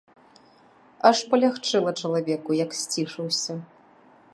Аж палягчэла чалавеку, як сцішыўся.